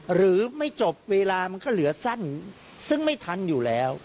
หรือไม่จบเวลามันก็เหลือสั้นซึ่งไม่ทันอยู่แล้ว